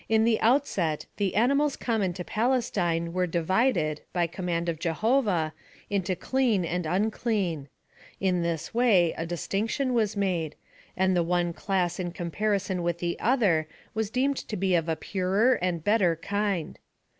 In the outset, the animals common to Palestine were divided, by command of Jehovah, into clean and unclean ; in this way a distinction was made, and the one class in comparison with the other was deemed to be of a purer and better kind.